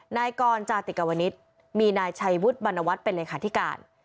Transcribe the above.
นายกรจาติกวนิษฐ์มีนายชัยวุฒิบรรณวัฒน์เป็นเลขาธิการ